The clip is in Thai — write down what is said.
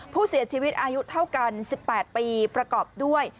ผู้เสียชีวิตอายุเท่ากัน๑๘ปีประกอบด้วย